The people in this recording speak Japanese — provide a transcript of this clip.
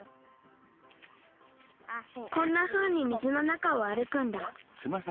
こんなふうに水の中をあるくんだ。